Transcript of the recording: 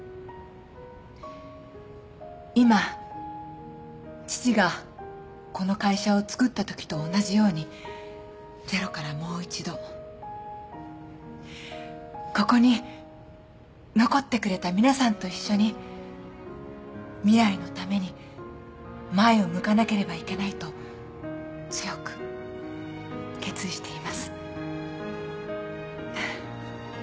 今父がこの会社をつくったときと同じようにゼロからもう一度ここに残ってくれた皆さんと一緒に未来のために前を向かなければいけないと強く決意しています。